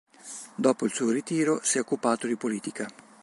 Dopo il suo ritiro si è occupato di politica.